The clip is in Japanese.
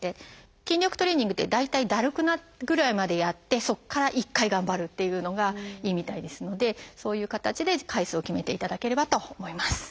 筋力トレーニングって大体だるくなるぐらいまでやってそこから１回頑張るっていうのがいいみたいですのでそういう形で回数を決めていただければと思います。